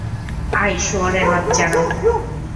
আয় শুয়োরের বাচ্চারা।